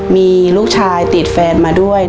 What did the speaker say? มีลูกชายติดแฟนมาด้วย